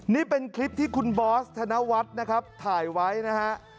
นี่เป็นคลิปที่คุณบอสธนวัฒน์นะครับถ่ายไว้นะฮะ